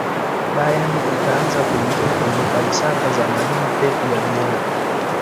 bayern ikaanza kuingia kwenye falsafa za mwalimu pep guardiola